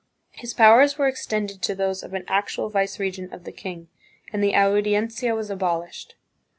His powers were extended to those of an actual viceregent of the king, and the Audiencia was abolished.